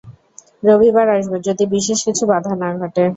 রবিবার আসব, যদি বিশেষ কিছু বাধা না ঘটে।